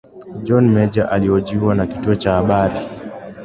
john major alihojiwa na kituo cha habari